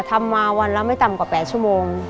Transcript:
ทำมาวันละไม่ต่ำกว่า๘ชั่วโมง